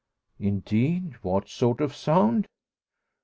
"Indeed! What sort of sound?"